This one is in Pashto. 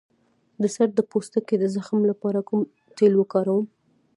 د سر د پوستکي د زخم لپاره کوم تېل وکاروم؟